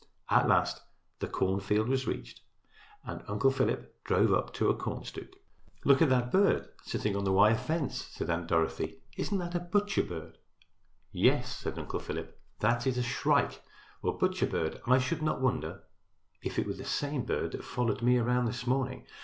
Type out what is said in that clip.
At last the cornfield was reached and Uncle Philip drove up to a corn stook. "Look at that bird sitting on the wire fence," said Aunt Dorothy. "Isn't that a butcher bird?" "Yes," said Uncle Philip, "that is a shrike, or butcher bird. I should not wonder if it were the same bird that followed me around this morning.